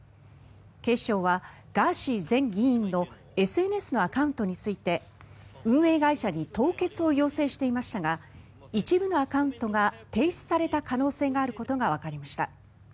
警視庁はガーシー前議員のＳＮＳのアカウントについて運営会社に凍結を要請していましたが一部のアカウントが停止された可能性があることがわかりました。